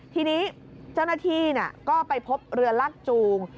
ทีนี้เจ้าหน้าที่ก็ไปพบเรือลากจูง